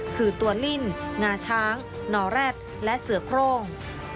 คือตัวลิ่นงาช้างนอแร็ดและเสือโครง